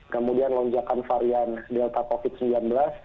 kemudian lonjakan varian delta covid sembilan belas